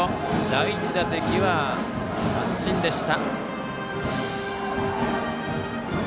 第１打席は三振でした。